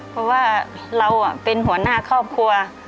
เพราะว่าเราเป็นหัวหน้าครอบครัว